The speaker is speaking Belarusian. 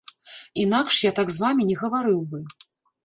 Інакш я так з вамі не гаварыў бы.